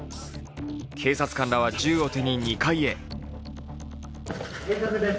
警察官らは銃を手に２階へ。